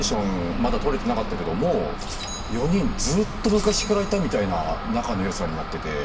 まだ取れてなかったけどもう４人ずっと昔からいたみたいな仲の良さになってて。